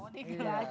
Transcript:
oh di kelas